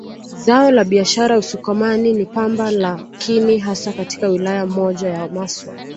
Zao la biashara Usukumani ni pamba lakini hasa katika wilaya moja ya Maswa